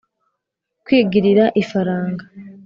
kwigirira ifaranga